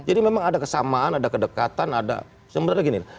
jadi memang ada kesamaan ada kedekatan ada sebenarnya gini